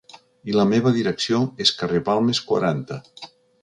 I la meva direcció és carrer Balmes quaranta.